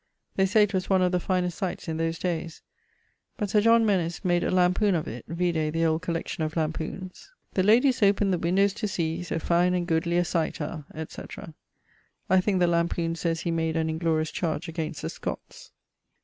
They say 'twas one of the finest sights in those dayes. But Sir John Menis made a lampoon[BV] of it (vide the old collection of lampoons): 'The ladies opened the windows to see So fine and goodly a sight a,' &c. I thinke the lampoon sayes he made an inglorious chardge against the Scotts.